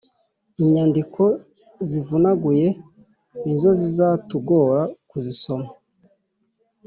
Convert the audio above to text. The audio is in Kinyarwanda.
inyandiko zivunaguye nizo zitatugora kuzisoma